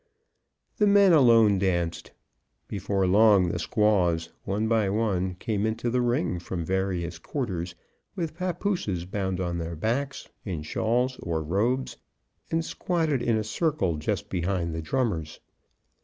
The men alone danced. Before long, the squaws, one by one, came into the ring from various quarters with pappooses bound on their backs in shawls or robes, and squatted in a circle just behind the drummers.